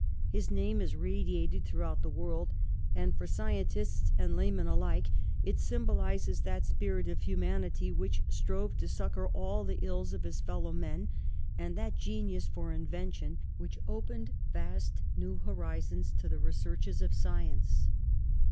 His name has radiated throughout the world, and for scientists and laymen alike it symbolises that spirit of humanity which strove to succour all the ills of his fellow men and that genius for invention which opened vast new horizons to the researches of science.